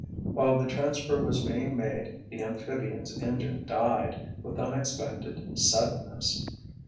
While the transfer was being made the amphibian's engine died with unexpected suddenness.